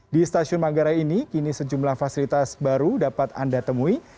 di stasiun manggarai ini kini sejumlah fasilitas baru dapat anda temui